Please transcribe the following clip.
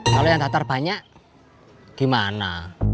kalau yang qatar banyak gimana